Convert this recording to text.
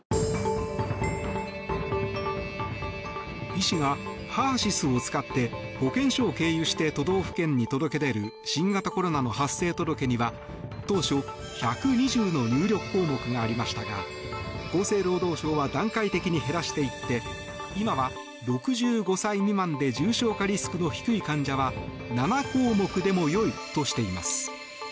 医師がＨＥＲ‐ＳＹＳを使って保健所を経由して都道府県に届け出る新型コロナの発生届には当初１２０の入力項目がありましたが厚生労働省は段階的に減らしていって今は６５歳未満で重症化リスクの低い患者は７項目でも良いとしています。